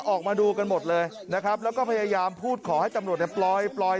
ออกมาดูกันหมดเลยนะครับแล้วก็พยายามพูดขอให้ตำรวจเนี่ยปล่อยปล่อย